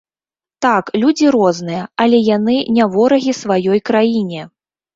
Так, людзі розныя, але яны не ворагі сваёй краіне!